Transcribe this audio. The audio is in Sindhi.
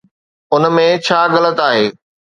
ان ۾ ڇا غلط آهي؟